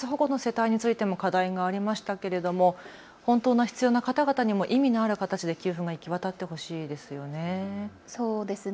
生活保護の世帯についても課題がありましたが、本当に必要な方々に意味のある形で給付が行き渡ってほしいですね。